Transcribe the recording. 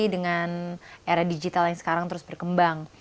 dengan era digital yang sekarang terus berkembang